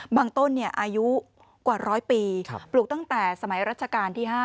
บางต้นเนี่ยอายุกว่าร้อยปีปลูกตั้งแต่สมัยรัชกาลที่ห้า